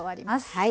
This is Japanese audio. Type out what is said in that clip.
はい。